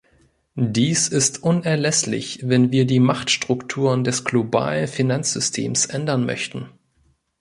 Dies ist unerlässlich, wenn wir die Machtstrukturen des globalen Finanzsystems ändern möchten.